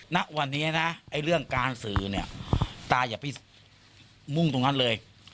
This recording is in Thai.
ณวันนี้นะไอ้เรื่องการสื่อเนี่ยตาอย่าไปมุ่งตรงนั้นเลย